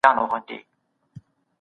بالاحصار ګډوډ شو.